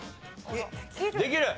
できる。